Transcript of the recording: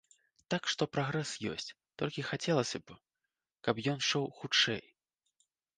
Так што прагрэс ёсць, толькі хацелася б, каб ён ішоў хутчэй.